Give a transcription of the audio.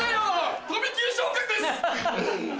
飛び級昇格です。